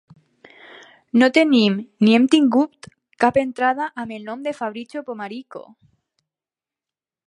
No tenim ni hem tingut cap entrada amb el nom de Fabrizio Pomarico!